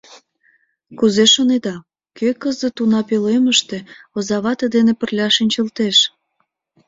Кузе шонеда, кӧ кызыт уна пӧлемыште озавате дене пырля шинчылтеш?